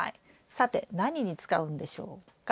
さて何に使うんでしょうか？